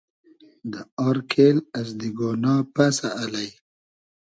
دۂ آر کېل از دیگۉنا پئسۂ الݷ